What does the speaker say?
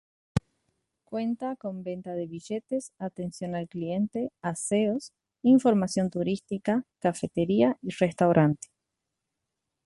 Cuenta con venta de billetes, atención al cliente, aseos, información turística, cafetería y restaurante.